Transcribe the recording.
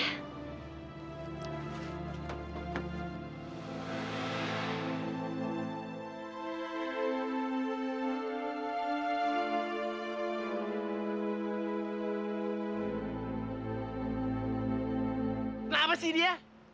kenapa sih dia